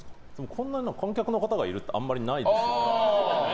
こんなに観客の方がいるってあんまりないですよね。